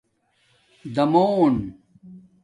دَامُݸن